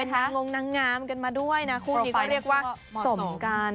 นางงนางงามกันมาด้วยนะคู่นี้ก็เรียกว่าสมกัน